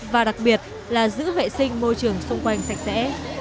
và đặc biệt là giữ vệ sinh môi trường xung quanh sạch sẽ